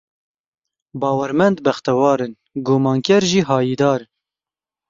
Bawermend bextewar in, gumanker jî hayîdar.